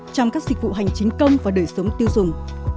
trong các dịch vụ hành chính công và đời sống tiêu dùng